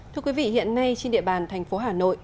thưa quý vị hiện nay trên địa bàn thành phố hà nội